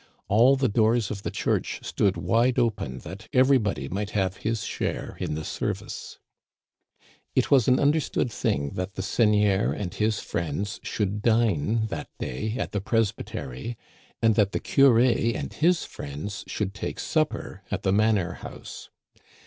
All the doors of the church stood wide open, that everybody might have his share in the service. Digitized by VjOOQIC THE FEAST OF ST. JEAN BAPTISTE, 125 It was an understood thing that the seigneur and his friends should dine that day at the presbytery, and that the curé and his friends should take supper at the manor house.